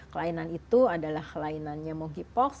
kelainan itu adalah kelainannya monkeypox